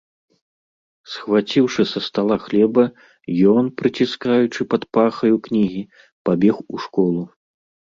Схваціўшы са стала хлеба, ён, прыціскаючы пад пахаю кнігі, пабег у школу.